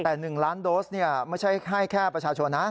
แต่๑ล้านโดสไม่ใช่ให้แค่ประชาชนนะ